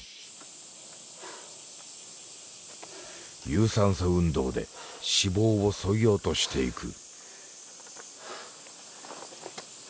有酸素運動で脂肪をそぎ落としていく。